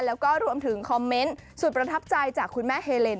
แล้วก็รวมถึงคอมเมนต์สุดประทับใจจากคุณแม่เฮเลน